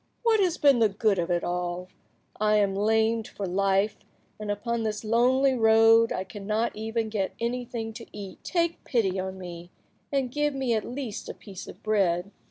What has been the good of it all? I am lamed for life, and upon this lonely road I cannot even get anything to eat. Take pity on me, and give me at least a piece of bread."